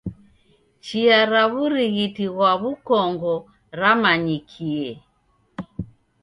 Chia ra w'urighiti ghwa w'ukongo ramanyikie.